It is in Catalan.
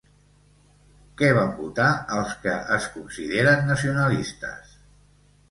Què van votar els que es consideren nacionalistes?